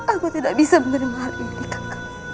aku tidak bisa menerima hal ini kakak